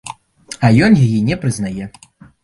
А ён яе не прызнае.